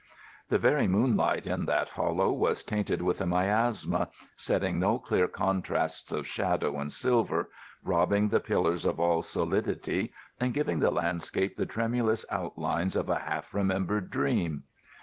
The very moonlight in that hollow was tainted with a miasma, setting no clear contrasts of shadow and silver, robbing the pillars of all solidity and giving the landscape the tremulous outlines of a half remembered dream.